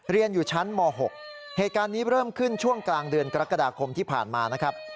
เรียนอยู่ชั้นม๖เหตุการณ์นี้เริ่มขึ้นช่วงกลางเดือนกรกฎาคมที่ผ่านมานะครับ